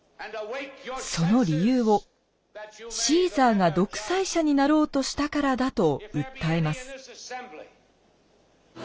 その理由を「シーザーが独裁者になろうとしたからだ」と訴えます。